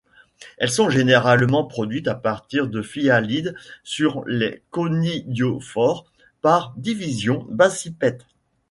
Elles sont généralement produites à partir de phyalides sur les conidiophores par division basipète.